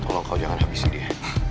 tolong kau jangan habisi dia